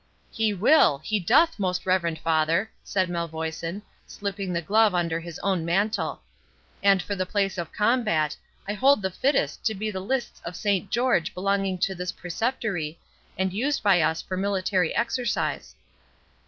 "He will—he doth, most Reverend Father," said Malvoisin, slipping the glove under his own mantle. "And for the place of combat, I hold the fittest to be the lists of Saint George belonging to this Preceptory, and used by us for military exercise."